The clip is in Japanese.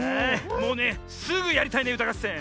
もうねすぐやりたいねうたがっせん。